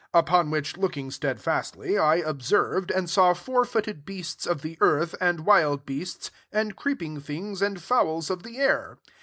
6 Upon which, looking stedfastly, I ob served, and saw four footed beasts of the earth, and wild beasts, and creeping things, and fowls of the air.